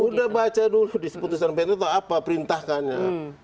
udah baca dulu di putusan pt atau apa perintahkannya